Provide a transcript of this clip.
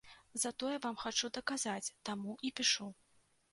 Затое вам хачу даказаць, таму і пішу.